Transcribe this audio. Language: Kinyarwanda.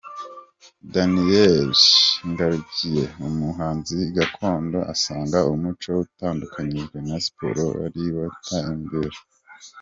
Daniyeli Ngarukiye, umuhanzi gakondo, asanga umuco utandukanyijwe na siporo ari bwo watera imbere.